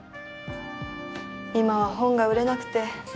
今は本が売れなくて。